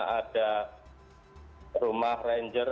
ada rumah ranger